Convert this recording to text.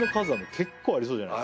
結構ありそうじゃない？